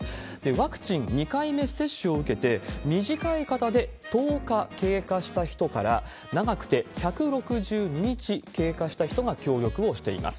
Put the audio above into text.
ワクチン２回目接種を受けて、短い方で１０日経過した人から、長くて１６２日経過した人が協力をしています。